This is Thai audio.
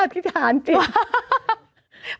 ธิษฐานจริง